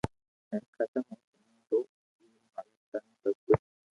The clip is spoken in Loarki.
ھين ختم بو تمو تو ھي مارون تن سب ڪجھ